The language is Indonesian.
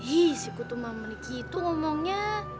ih si kutu mamuniki itu ngomongnya